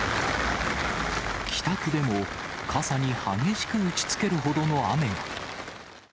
北区でも傘に激しく打ちつけるほどの雨が。